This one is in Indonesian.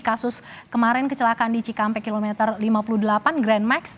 kasus kemarin kecelakaan di cikampek kilometer lima puluh delapan grand max